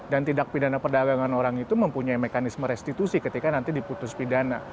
dan tindak pidana perdagangan orang itu mempunyai mekanisme restitusi ketika nanti diputus pidana